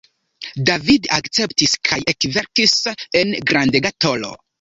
David akceptis kaj ekverkis en grandega tolo.